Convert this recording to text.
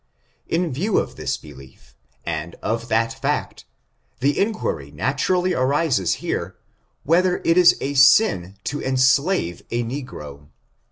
In view of this belief, and of that fact, the inquiry naturally arises here, wheth er it is a sin to enslave a negro.